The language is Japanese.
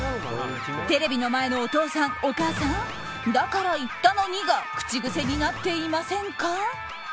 テレビの前のお父さん、お母さんだから言ったのにが口癖になっていませんか？